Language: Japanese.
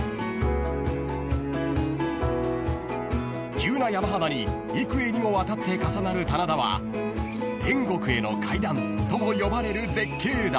［急な山肌に幾重にもわたって重なる棚田は「天国への階段」とも呼ばれる絶景だ］